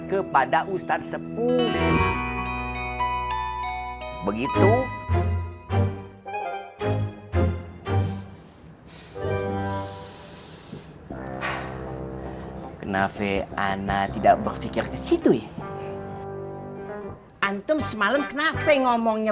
kepada ustadz sepuh begitu kenapa ana tidak berpikir ke situ antum semalam kenapa ngomongnya